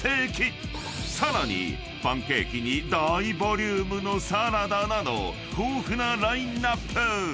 ［さらにパンケーキに大ボリュームのサラダなど豊富なラインアップ］